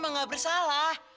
kamu nggak bersalah